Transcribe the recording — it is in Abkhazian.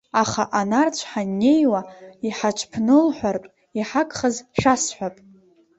Аха анарцә ҳаннеиуа, иҳаҽԥнылҳәартә, иҳагхаз шәасҳәап.